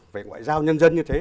về ngoại giao nhân dân như thế